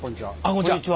こんにちは。